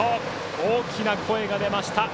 大きな声が出ました。